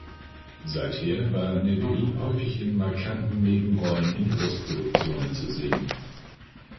Seither war Neville häufig in markanten Nebenrollen in Großproduktionen zu sehen.